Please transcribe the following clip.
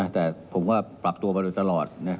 แต่ผมก็ปรับตัวมาโดยตลอด